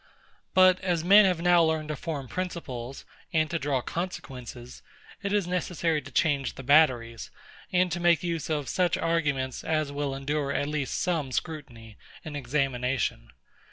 But as men have now learned to form principles, and to draw consequences, it is necessary to change the batteries, and to make use of such arguments as will endure at least some scrutiny and examination.